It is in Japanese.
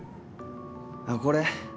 あっこれ？